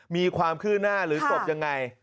มีความคืบหน้าหรือจบยังไง